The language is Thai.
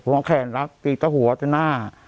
ลูกแค่หัวจะตีตัวหน้า